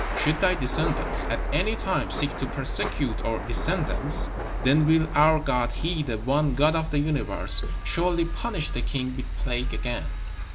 Should thy descendants at any time seek to persecute our descendants, then will our God, He, the One God of the universe, surely punish the king with plague again."